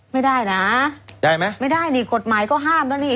ไม่ได้นะได้ไหมไม่ได้นี่กฎหมายก็ห้ามแล้วนี่